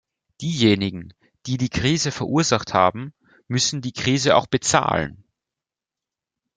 Diejenigen, die die Krise verursacht haben, müssen die Krise auch bezahlen!